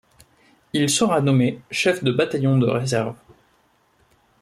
Il sera nommé chef de bataillon de réserve.